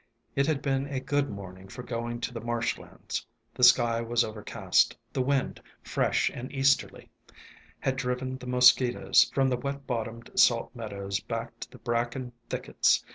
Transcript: It had been a good morning for going to the marsh lands. The sky was overcast, the wind, fresh and east erly, had driven the mosquitoes from the wet bot tomed salt meadows back to the bracken thickets.